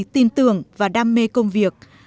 tin tưởng và đam mê công việc